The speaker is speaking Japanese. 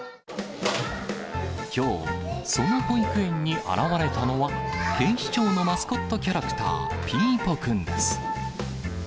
きょう、その保育園に現れたのは、警視庁のマスコットキャラクター、ピーポくんです。